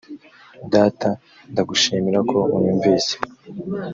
data ndagushimira ko unyumvise .